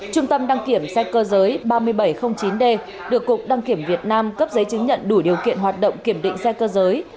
trung tâm đăng kiểm xe cơ giới ba nghìn bảy trăm linh chín d được cục đăng kiểm việt nam cấp giấy chứng nhận đủ điều kiện hoạt động kiểm định xe cơ giới